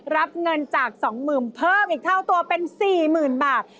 รับเงินจาก๒๐๐๐เพิ่มอีกเท่าตัวเป็น๔๐๐๐บาท